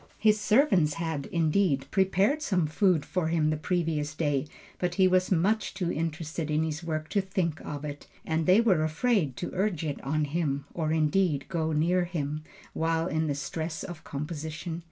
His servants had, indeed, prepared some food for him the previous day, but he was too much interested in his work to think of it, and they were afraid to urge it on him, or indeed, go near him, while in the stress of composition.